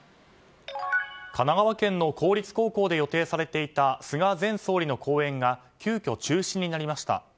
神奈川県の公立高校で予定されていた菅前総理の講演が急きょ中止になりました。